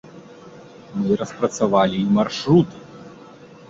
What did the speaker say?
Мы распрацавалі і маршруты.